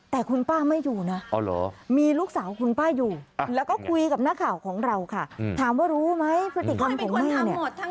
แต่คุณป้าไม่อยู่นะมีลูกสาวคุณป้าอยู่แล้วก็คุยกับนักข่าวของเราค่ะถามว่ารู้ไหมพฤติกรรมของแม่เนี่ย